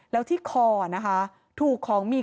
แล้วที่คอนะคะถูกของมี